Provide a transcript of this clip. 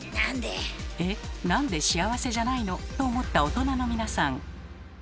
「なんで幸せじゃないの？」と思った大人の皆さん。